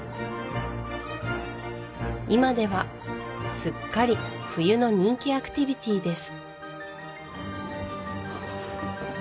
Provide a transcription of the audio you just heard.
今ではすっかり冬の人気アクティビティーです